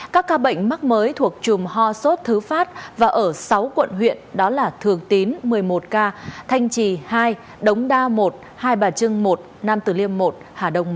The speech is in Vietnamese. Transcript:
các ca bệnh mắc mới thuộc chùm ho sốt thứ phát và ở sáu quận huyện đó là thường tín một mươi một ca thanh trì hai đống đa một hai bà trưng một nam tử liêm một hà đông một